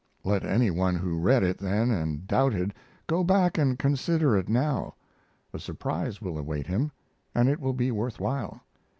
Let any one who read it then and doubted, go back and consider it now. A surprise will await him, and it will be worth while.